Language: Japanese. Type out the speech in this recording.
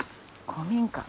古民家。